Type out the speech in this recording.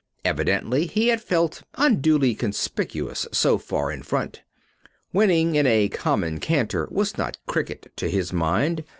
Evidently he had felt unduly conspicuous so far in front. Winning in a common canter was not cricket to his mind.